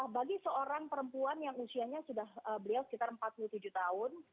bagi seorang perempuan yang usianya sudah beliau sekitar empat puluh tujuh tahun